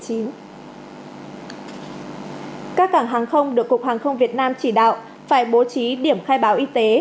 các cảng hàng không được cục hàng không việt nam chỉ đạo phải bố trí điểm khai báo y tế